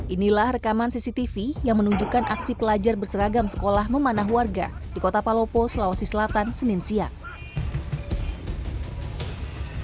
inilah rekaman cctv yang menunjukkan aksi pelajar berseragam sekolah memanah warga di kota palopo sulawesi selatan senin siang